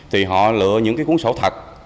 thì họ lựa những cuốn sổ thật